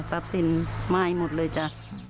ซับสินไหม้หมดเลยจ๊ะ